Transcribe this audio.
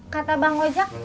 kata bang gojak